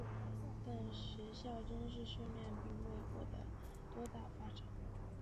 但学校军事训练并未获得多大发展。